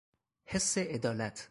حس عدالت